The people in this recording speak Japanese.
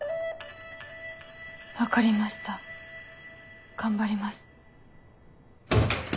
分かりました頑張ります。